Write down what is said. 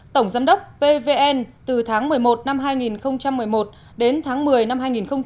tổng giám đốc pvn từ tháng một mươi một năm hai nghìn một mươi một đến tháng một mươi năm hai nghìn một mươi bảy